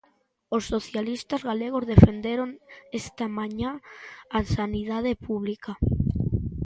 Os socialistas galegos defenderon esta mañá a sanidade pública.